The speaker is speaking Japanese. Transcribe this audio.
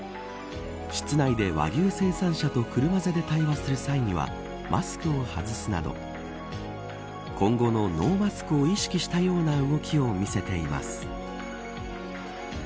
室内で和牛生産者と車座で対話をする際にはマスクを外すなど今後のノーマスクを意識したような動きを見せています。